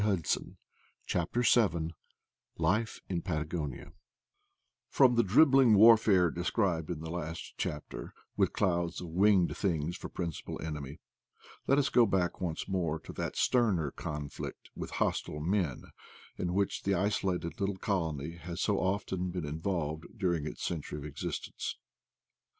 \ j* CHAPTEB VII LIFE IN PATAGONIA FROM the dribbling warfare described in the last chapter, with clouds of winged things for principal enemy, let ns go back once more to that sterner conflict with hostile men, in which the iso lated little colony has so often been involved dur ing its century of existence.